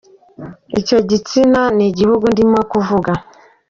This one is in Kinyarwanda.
Icyo ni igitsina n’igihugu, ndimo kuvuga.